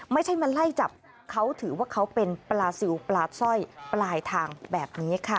ไม่ใช่มาไล่จับเขาถือว่าเขาเป็นปลาซิลปลาสร้อยปลายทางแบบนี้ค่ะ